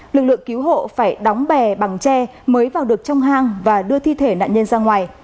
lực lượng cứu hộ phải đóng bè bằng tre mới vào được trong hang và đưa thi thể nạn nhân ra ngoài